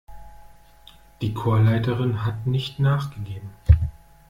Die Chorleiterin hat nicht nachgegeben.